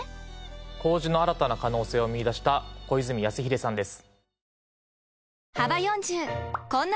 麹の新たな可能性を見いだした小泉泰英さんです。